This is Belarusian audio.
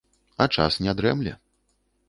А час не дрэмле.